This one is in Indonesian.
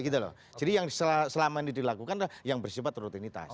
gitu loh jadi yang selama ini dilakukan adalah yang bersifat rutinitas